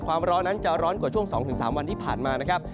ความร้อนนั้นจะร้อนกว่าช่วง๒๓วันที่ผ่านมานะครับ